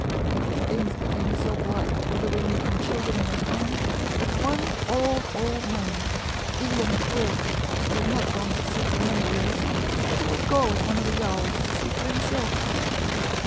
Things became so black for the women and children at home that one old, old man, Illiam Quirk, who had not gone to sea for many years, said he would go with one of the yawls to see for himself.